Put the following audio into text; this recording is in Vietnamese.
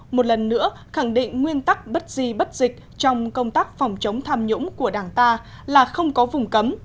một lần nữa khẳng định nguyên tắc bất di bất dịch trong công tác phòng chống tham nhũng của đảng ta là không có vùng cấm